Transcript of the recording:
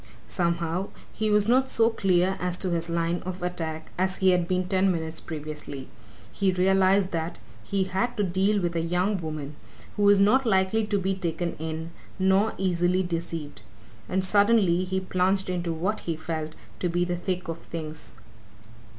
Somehow, he was not so clear as to his line of attack as he had been ten minutes previously he realized that he had to deal with a young woman who was not likely to be taken in nor easily deceived. And suddenly he plunged into what he felt to be the thick of things.